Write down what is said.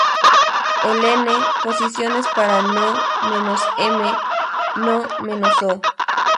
El 'N' posiciones para "no-M, no-O".